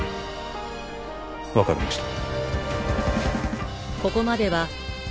分かりました